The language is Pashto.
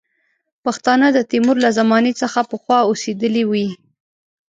پښتانه د تیمور له زمانې څخه پخوا اوسېدلي وي.